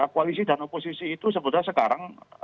koalisi dan oposisi itu sebetulnya sekarang